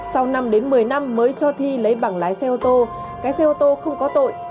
sau năm đến một mươi năm mới cho thi lấy bằng lái xe ô tô cái xe ô tô không có tội